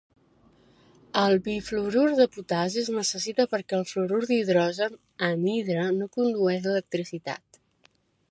El biflorur de potassi es necessita perquè el fluorur d"hidrogen anhidre no condueix l"electricitat.